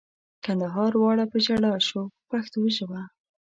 کندهار واړه په ژړا شو په پښتو ژبه.